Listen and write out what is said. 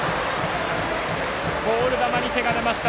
ボール球に手が出ました。